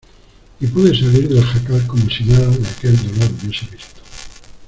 y pude salir del jacal como si nada de aquel dolor hubiese visto.